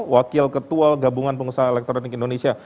wakil ketua gabungan pengusaha elektronik indonesia